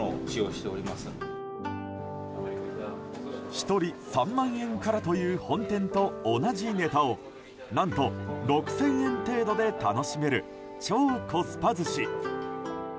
１人３万円からという本店と同じネタを何と６０００円程度で楽しめる超コスパ寿司。